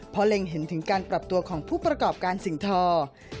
เพราะเล็งเห็นถึงการปรับตัวของผู้ประกอบการสิ่งทอ